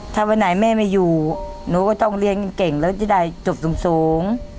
ถ้าวันไหนแม่ไม่อยู่หนูก็ต้องเลี้ยงเก่งแล้วจะได้จบสูง